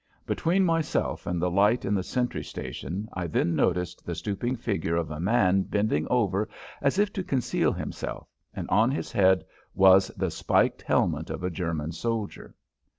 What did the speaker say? Between myself and the light in the sentry station I then noticed the stooping figure of a man bending over as if to conceal himself, and on his head was the spiked helmet of a German soldier!